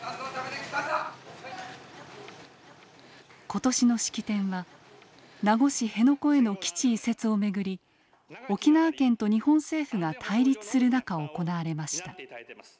今年の式典は名護市辺野古への基地移設をめぐり沖縄県と日本政府が対立する中行われました。